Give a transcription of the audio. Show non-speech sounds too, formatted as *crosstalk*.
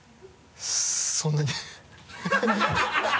そんなに *laughs*